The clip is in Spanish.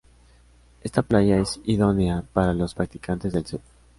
Esta playa es idónea para los practicantes del surf.